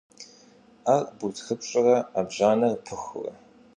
Ӏэр бутхыпщӀкӀэ, Ӏэбжьанэр пыхурэ?